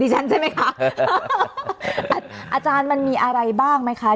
ฉันใช่ไหมคะอาจารย์มันมีอะไรบ้างไหมคะ